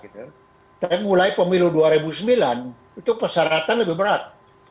tapi mulai pemilu dua ribu sembilan itu persyaratan lebih berat